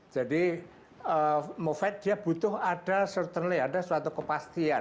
jadi moved dia butuh ada certainly ada suatu kepastian